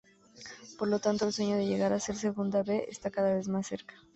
Por tanto, el sueño de llegar a segunda B estaba cada vez más cerca.